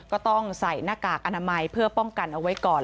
ก็ต้องใส่หน้ากากอนามัยเพื่อป้องกันเอาไว้ก่อน